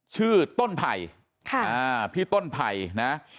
ชื่อต้นไพพี่ต้นไพนะ